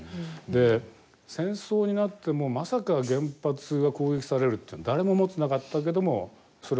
で戦争になってもまさか原発が攻撃されるっていうのは誰も思ってなかったけどもそれをまあロシアがやったと。